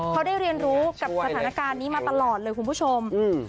เขาได้เรียนรู้กับสถานการณ์นี้มาตลอดเลยคุณผู้ชม